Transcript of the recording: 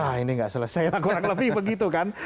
nah ini gak selesai kurang lebih begitu kan